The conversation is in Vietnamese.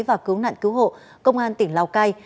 và cứu nạn cứu hộ công an tỉnh lào cai